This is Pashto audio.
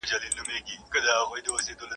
o پر خوړه مځکه هر واښه شين کېږي.